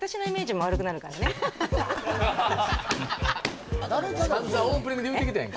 あんまりねさんざんオープニングで言うてきたやん